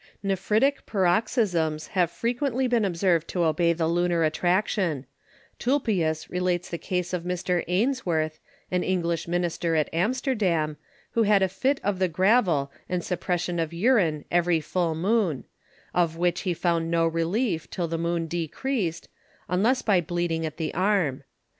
Nephritic Paroxysms have frequently been observed to obey the Lunar Attraction: Tulpius relates the Case of Mr. Ainsworth, an English Minister at Amsterdam, who had a Fit of the Gravel and suppression of Urine every Full Moon, of which he found no relief till the Moon decreased, unless by Bleeding at the Arm.